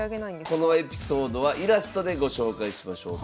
このエピソードはイラストでご紹介しましょう。